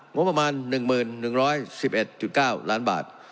งบประมาณ๑๑๑๑๙ล้านบาท